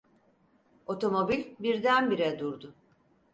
Otomobil birdenbire durdu.